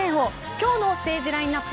今日のステージラインアップ